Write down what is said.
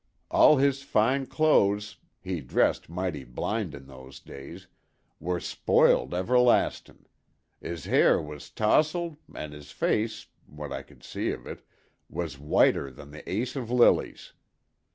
All his fine clothes—he dressed mighty blindin' those days—were spoiled everlastin'! 'Is hair was towsled and his face—what I could see of it—was whiter than the ace of lilies.